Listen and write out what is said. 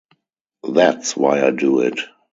That's why I do it.